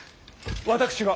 私が！